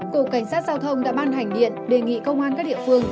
cục cảnh sát giao thông đã ban hành điện đề nghị công an các địa phương